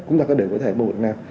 chúng ta có thể mua ở việt nam